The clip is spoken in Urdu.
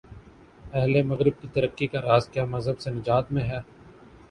اہل مغرب کی ترقی کا راز کیا مذہب سے نجات میں ہے؟